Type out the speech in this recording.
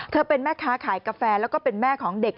เป็นแม่ค้าขายกาแฟแล้วก็เป็นแม่ของเด็ก